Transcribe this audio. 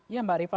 ya mbak ripa